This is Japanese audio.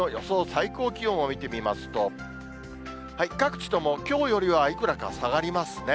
最高気温を見てみますと、各地とも、きょうよりはいくらか下がりますね。